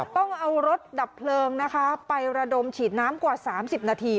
ต้องเอารถดับเพลิงนะคะไประดมฉีดน้ำกว่า๓๐นาที